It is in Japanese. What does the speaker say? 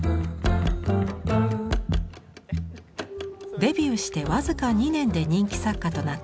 デビューして僅か２年で人気作家となったかがくいさん。